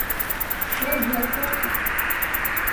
Тый, дьячок!